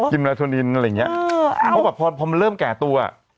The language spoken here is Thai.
ลาโทนินอะไรอย่างเงี้ยเพราะแบบพอมันเริ่มแก่ตัว